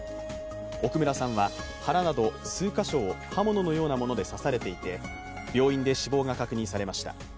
奧村さんは腹など数カ所を刃物のようなもので刺されていて病院で死亡が確認されました。